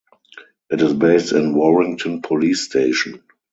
It is based in Warrington Police station.